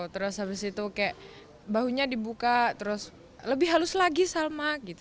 terus habis itu kayak bahunya dibuka terus lebih halus lagi salma gitu